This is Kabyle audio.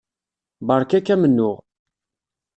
Beṛka-k amennuɣ.